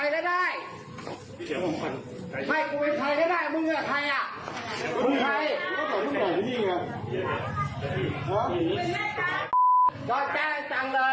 เก่งจังเลยมาเลยมาสู้ตัวมา